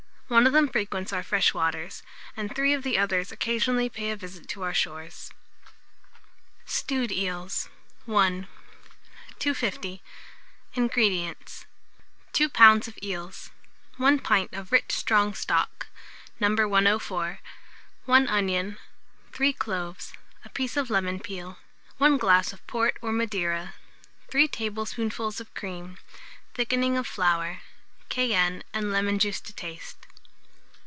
One of them frequents our fresh waters, and three of the others occasionally pay a visit to our shores. STEWED EELS. I. 250. INGREDIENTS. 2 lbs. of eels, 1 pint of rich strong stock, No. 104, 1 onion, 3 cloves, a piece of lemon peel, 1 glass of port or Madeira, 3 tablespoonfuls of cream; thickening of flour; cayenne and lemon juice to taste.